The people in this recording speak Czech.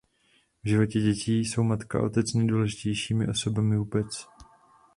V životě dětí jsou matka a otec nejdůležitějšími osobami vůbec.